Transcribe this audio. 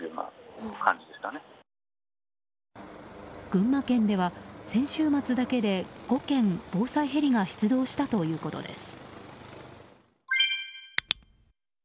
群馬県では先週末だけで５件防災ヘリが出動したということです。